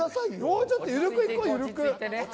もうちょっと緩くいこう。